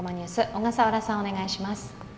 小笠原さん、お願いします。